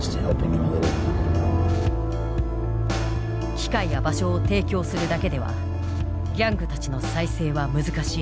機会や場所を提供するだけではギャングたちの再生は難しい。